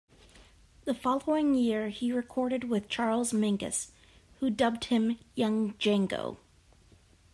The following year he recorded with Charles Mingus, who dubbed him "Young Django".